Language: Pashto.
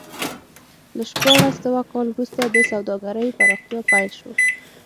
له شپاړس سوه کال وروسته د سوداګرۍ پراختیا پیل شو.